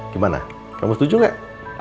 gimana kamu setuju gak